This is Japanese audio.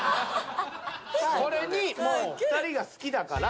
これにもう２人が好きだから。